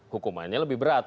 hukumannya lebih berat